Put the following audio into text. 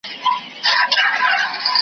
خلک په غونډو کې نظریات شریکوي.